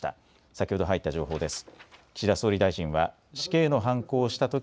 先ほど入った情報です。